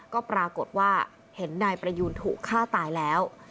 ก็ปรากฏว่าเห็นนายประยูนถูกฆ่าตายแล้ว